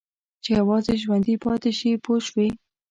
چې یوازې ژوندي پاتې شي پوه شوې!.